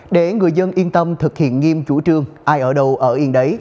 để người dân yên tâm thực hiện nghiêm chủ trương ai ở đâu ở yên đấy